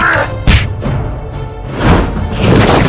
biar kondisinya ne apologabei